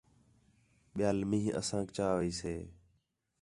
ٻِیال مینہ آسانک چا ویسے